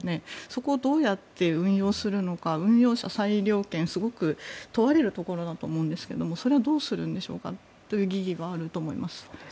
そこをどうやって運用するのか運用者、裁量権すごく問われるところだと思うんですけれどそれはどうするんでしょうかという疑義があると思います。